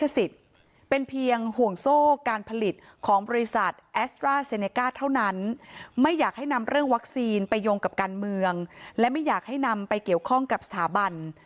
สินไปยงกับการเมืองและไม่อยากให้นำไปเกี่ยวข้องกับสถาบัน